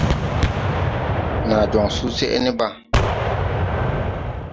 Naa jɔŋ susɛʼ ne Bàa.